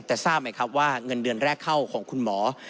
แต่ทราบไหมครับว่าเงินเดือนแรกเข้าของคุณหมอ